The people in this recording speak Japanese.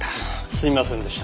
すみませんでした。